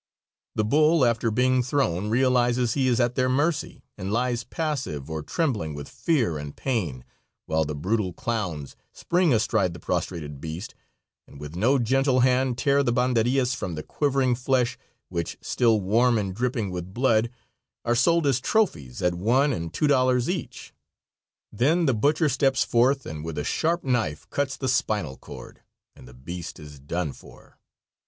The bull, after being thrown, realizes he is at their mercy, and lies passive or trembling with fear and pain, while the brutal clowns spring astride the prostrated beast, and with no gentle hand tear the banderillas from the quivering flesh, which, still warm and dripping with blood, are sold as trophies at one and two dollars each. Then the butcher steps forth and with a sharp knife cuts the spinal cord, and the beast is done for.